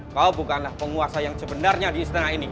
kau bukanlah penguasa yang sebenarnya di istana ini